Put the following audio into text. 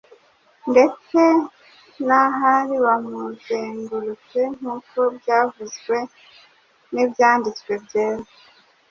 ndetse n’ahari bamuzengurutse nk’uko byavuzwe n’ibyanditswe byera,